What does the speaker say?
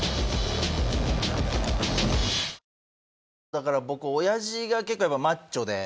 だから僕親父が結構やっぱマッチョで。